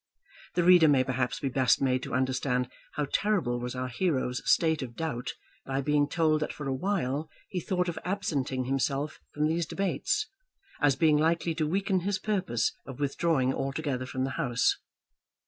The reader may perhaps be best made to understand how terrible was our hero's state of doubt by being told that for awhile he thought of absenting himself from these debates, as being likely to weaken his purpose of withdrawing altogether from the House.